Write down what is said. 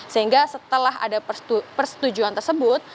sehingga setelah ada persetujuan tersebut